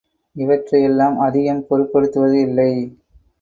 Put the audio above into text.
இவற்றை எல்லாம் அதிகம் பொருட்படுத்துவது இல்லை.